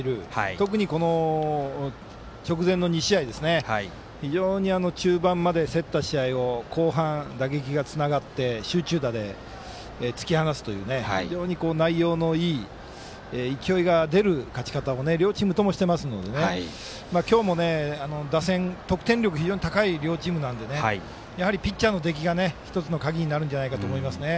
特に直前の２試合非常に中盤まで競った試合を後半、打撃がつながって集中打で突き放すという非常に内容のいい勢いが出る勝ち方を両チームともしていますので今日も打線得点力が高い両チームなのでピッチャーのできが１つの鍵になるんじゃないかと思いますね。